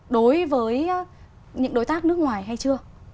đối với những đối tác nước ngoài hay chưa